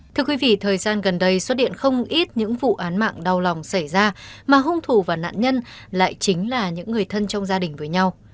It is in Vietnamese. thưa quý vị thời gian gần đây xuất hiện không ít những vụ án mạng đau lòng xảy ra mà hung thủ và nạn nhân lại chính là những người thân trong gia đình với nhau